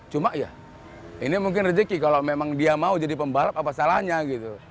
cuma ya ini mungkin rezeki kalau memang dia mau jadi pembalap apa salahnya gitu